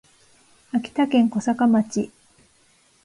秋田県小坂町